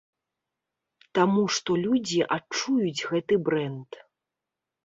Таму што людзі адчуюць гэты брэнд.